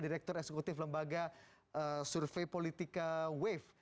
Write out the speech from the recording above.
direktur eksekutif lembaga survei politika wave